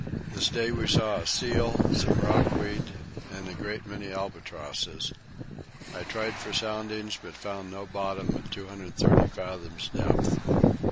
This day we saw a seal, some rock weed, and a great many albatrosses. I tried for soundings but found no bottom at 230 fathoms depth.